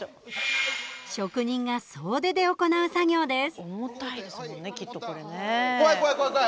職人が総出で行う作業です。